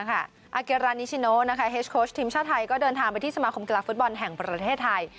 อาเกรานิชิโนเฮสโค้ชทีมชาติไทยก็เดินทางไปที่สมาคมกีฬาฟุตบอลแห่งประเทศไทย